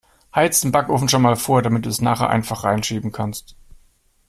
Heiz' den Backofen schon mal vor, damit du es nachher einfach 'reinschieben kannst.